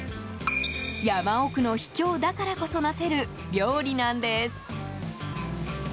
山奥の秘境だからこそなせる料理なんです。